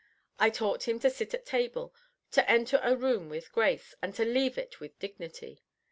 I taught him to sit at table; to enter a room with grace, and to leave it with dignity.